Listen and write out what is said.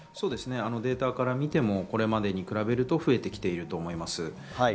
データから見てもこれまでに比べると増えてきていると思います。